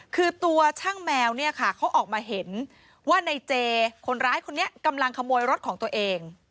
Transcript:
คือตัวช่างแมวเนี่ยค่ะเขาออกมาเห็นว่าในเจคนร้ายคนนี้กำลังขโมยรถของตัวเอง